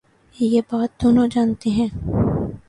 یہ بات دونوں جا نتے ہیں۔